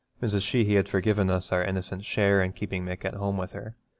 Mrs. Sheehy has forgiven us our innocent share in keeping Mick at home with her.